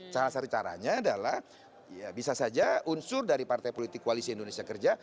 salah satu caranya adalah ya bisa saja unsur dari partai politik koalisi indonesia kerja